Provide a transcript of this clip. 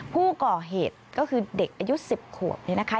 ผู้ก่อเหตุก็คือเด็กอายุ๑๐ขวบนี่นะคะ